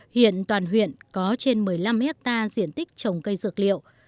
hiện toàn huyện có trên một mươi năm hectare diện tích trồng cây dược liệu